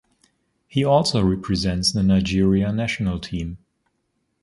He also represents the Nigeria national team.